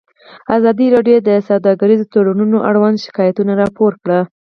ازادي راډیو د سوداګریز تړونونه اړوند شکایتونه راپور کړي.